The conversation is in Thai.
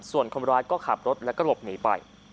ส่วนคนร้ายก็ขับรถแล้วก็หลบหนีไป